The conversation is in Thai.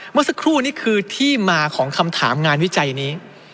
เมื่อสักครู่นี่คือที่มาของคำถามงานวิจัยนี้